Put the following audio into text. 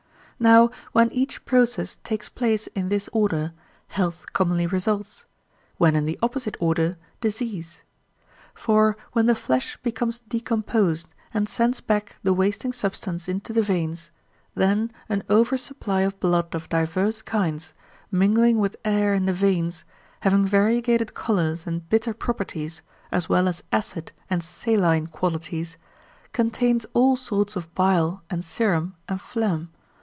Now when each process takes place in this order, health commonly results; when in the opposite order, disease. For when the flesh becomes decomposed and sends back the wasting substance into the veins, then an over supply of blood of diverse kinds, mingling with air in the veins, having variegated colours and bitter properties, as well as acid and saline qualities, contains all sorts of bile and serum and phlegm.